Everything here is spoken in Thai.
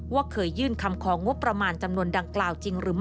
ว่าเขยื่นคำของว่าประมาณจำนวนดังกล่าว